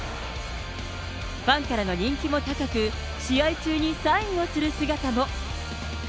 ファンからの人気も高く、試合中にサインをする姿も。